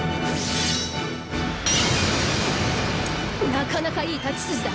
なかなかいい太刀筋だ。